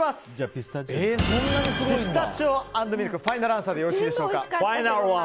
ピスタチオ＆ミルクファイナルアンサーでよろしいでしょうか。